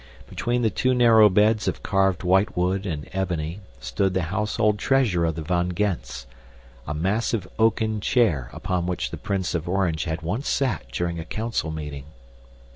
Between the two narrow beds of carved whitewood and ebony, stood the household treasure of the Van Gends, a massive oaken chair upon which the Prince of Orange had once sat during a council meeting.